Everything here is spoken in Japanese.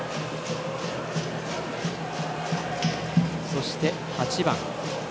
そして８番。